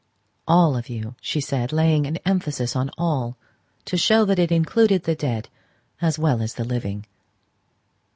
All of you!" said she, laying an emphasis on "all" to show that it included the dead as well as the living.